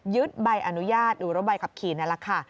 ใบอนุญาตหรือรถใบขับขี่นั่นแหละค่ะ